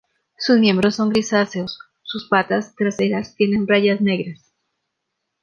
Sus miembros son grisáceos; sus patas traseras tienen rayas negras.